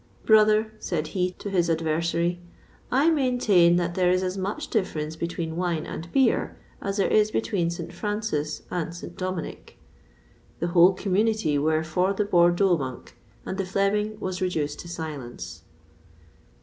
"Brother," said he to his adversary, "I maintain that there is as much difference between wine and beer as there is between St. Francis and St. Dominick." The whole community were for the Bordeaux monk, and the Fleming was reduced to silence.